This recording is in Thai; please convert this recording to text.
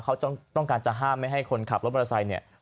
เขาต้องการจะห้ามไม่ให้คนขับรถมอเตอร์ไซค์เนี่ย